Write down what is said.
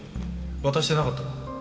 渡してなかったろう？